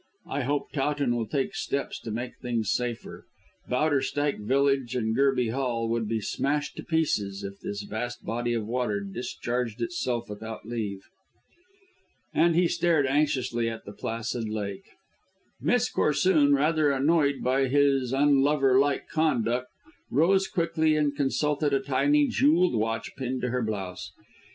"I hope Towton will take steps to make things safer. Bowderstyke Village and Gerby Hall would be smashed to pieces if this vast body of water discharged itself without leave." And he stared anxiously at the placid lake. Miss Corsoon, rather annoyed by this unlover like conduct, rose quickly and consulted a tiny jewelled watch pinned to her blouse.